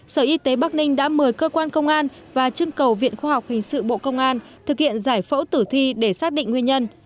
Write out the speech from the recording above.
sở y tế bắc ninh đã mời cơ quan công an và trưng cầu viện khoa học hình sự bộ công an thực hiện giải phẫu tử thi để xác định nguyên nhân